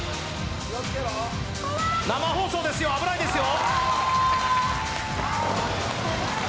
生放送ですよ、危ないですよ！